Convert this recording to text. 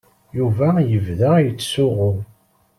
Yuba yebda yettsuɣu.